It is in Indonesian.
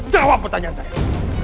jawab pertanyaan saya